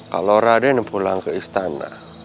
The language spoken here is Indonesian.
kalau raden pulang ke istana